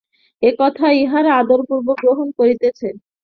এ কথা ইঁহারা আদরপূর্বক গ্রহণ করিতেছেন।